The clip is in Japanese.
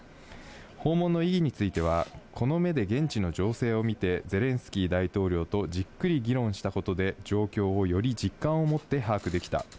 訪問の意義については、この目で現地の情勢を見て、ゼレンスキー大統領とじっくり議論したことで、状況をより実感を持って把握できた。